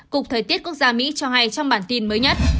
cục thời tiết quốc gia mỹ cho hay trong bản tin mới nhất